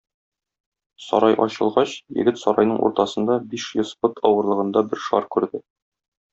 Сарай ачылгач, егет сарайның уртасында биш йөз пот авырлыгында бер шар күрде.